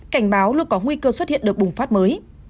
cảnh báo luôn có nguy cơ xuất hiện đợt bùng phát mới